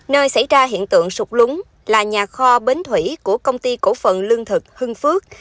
nơi xảy ra hiện tượng sụt lún là nhà kho bến thủy của công ty cổ phận lương thực hưng phước